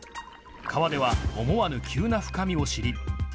川では思わぬ急な深みを知り。